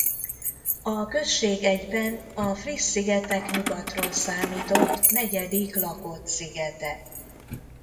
A község egyben a Fríz-szigetek nyugatról számított negyedik lakott szigete.